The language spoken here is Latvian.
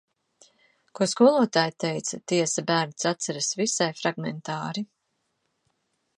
Ko skolotāja teica, tiesa, bērns atceras visai fragmentāri...